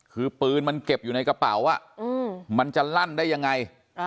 คือปืนมันเก็บอยู่ในกระเป๋ามันจะลั่นได้ยังไง